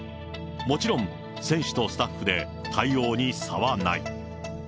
もちろん、選手とスタッフで対応に差はない。